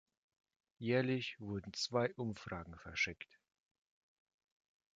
Jährlich wurden zwei Umfragen verschickt.